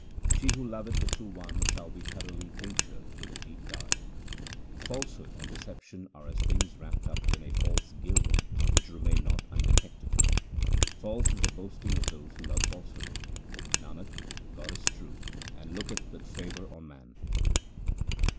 She who loveth the True One shall be thoroughly tinctured with a deep dye. Falsehood and deception are as things wrapped up in false gilding which remain not undetected. False is the boasting of those who love falsehood. Nanak, God is true and looketh with favour on man.